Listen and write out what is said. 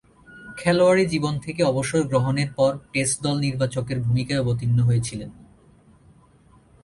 খেলোয়াড়ী জীবন থেকে অবসর গ্রহণের পর টেস্ট দল নির্বাচকের ভূমিকায় অবতীর্ণ হয়েছিলেন।